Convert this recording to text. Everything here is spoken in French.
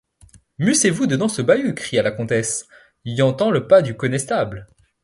Mussez-vous dedans ce bahut, cria la comtesse ; i’entends le pas du connestable.